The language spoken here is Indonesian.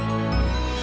tuh tim menakutkan